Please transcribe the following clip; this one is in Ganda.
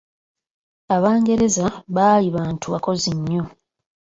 Abangereza baali bantu bakozi nnyo.